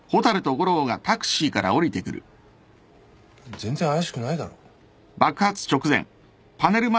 全然怪しくないだろ。